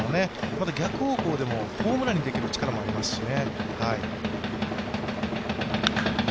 また逆方向でもホームランにできる力もありますしね。